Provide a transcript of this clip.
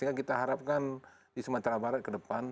jadi kita harapkan di sumatera barat ke depan